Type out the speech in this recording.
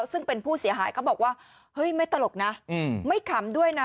ซึ่งเป็นผู้เสียหายเขาบอกว่าเฮ้ยไม่ตลกนะไม่ขำด้วยนะ